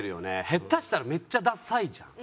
下手したらめっちゃダサいじゃん。